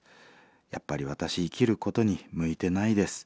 やっぱり私生きることに向いてないです。